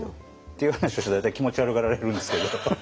いう話をしたら大体気持ち悪がられるんですけど。